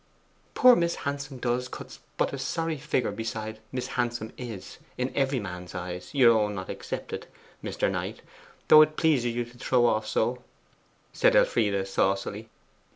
'Poor Miss Handsome does cuts but a sorry figure beside Miss Handsome is in every man's eyes, your own not excepted, Mr. Knight, though it pleases you to throw off so,' said Elfride saucily.